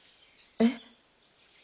えっ？